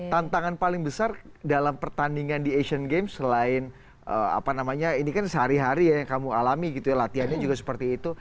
tantangan paling besar dalam pertandingan di asian games selain apa namanya ini kan sehari hari ya yang kamu alami gitu ya latihannya juga seperti itu